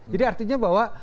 jadi artinya bahwa